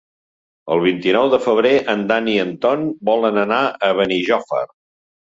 El vint-i-nou de febrer en Dan i en Ton volen anar a Benijòfar.